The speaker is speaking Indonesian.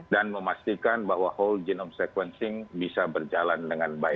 dan memastikan bahwa whole genome sequencing bisa berjalan dengan baik